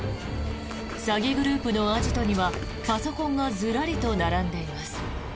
詐欺グループのアジトにはパソコンがずらりと並んでいます。